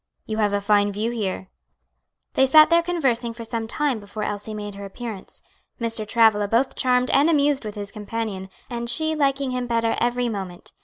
"You have a fine view here." They sat there conversing for some time before Elsie made her appearance, Mr. Travilla both charmed and amused with his companion, and she liking him better every moment.